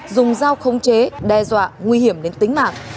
dùng dao không chế đe dọa nguy hiểm đến tính mạng